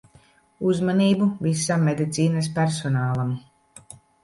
Uzmanību visam medicīnas personālam.